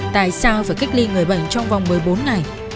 tại sao phải cách ly người bệnh trong vòng một mươi bốn ngày